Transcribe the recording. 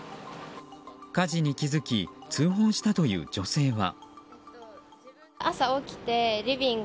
火事に気付き通報したという女性は。